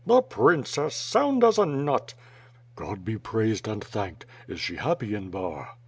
"The princess, sound as a nut!" "God be praised and thanked! Is she happy in Bar?"